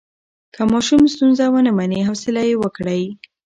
که ماشوم ستونزه ونه مني، حوصله یې وکړئ.